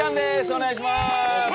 お願いします。